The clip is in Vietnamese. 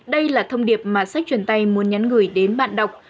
đây là thông điệp mà sách truyền tay muốn nhắn gửi đến bạn đọc